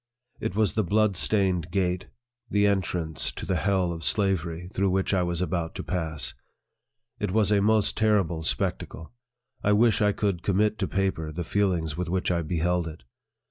It was the blood stained gate, the en trance to the hell of slavery, through which I was about to pass. It was a most terrible spectacle. I wish I could commit to paper the feelings with which I beheld it.